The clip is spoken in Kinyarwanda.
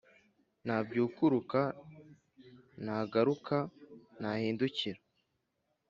nabyukuruka: nagaruka, nahindukira